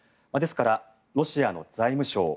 ですから、ロシアの財務相